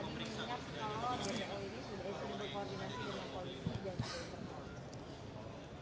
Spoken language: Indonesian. tadi diinyat kalau kpk ini sudah iseng untuk koordinasi dengan polisi jadi apa